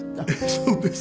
そうです。